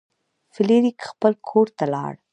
فلیریک خپل کور ته لاړ.